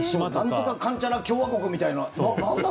なんとかかんちゃら共和国みたいな。